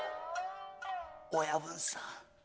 「親分さん」。